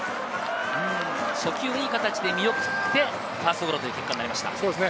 初球、いい形で見送って、ファーストゴロという結果になりました。